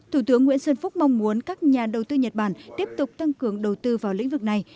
thủ tướng nguyễn xuân phúc mong muốn các nhà đầu tư nhật bản tiếp tục tăng cường đầu tư vào lĩnh vực này